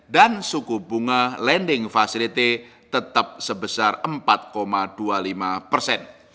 dan suku bunga lending facility tetap sebesar empat dua puluh lima persen